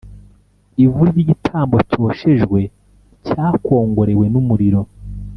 ivu ry igitambo cyoshejwe cyakongorewe n umuriro